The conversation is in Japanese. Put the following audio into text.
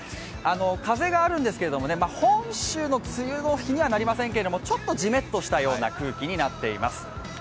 風があるんですけども、本州の梅雨の比にはなりませんけど、ちょっとジメッとしたような空気になっています。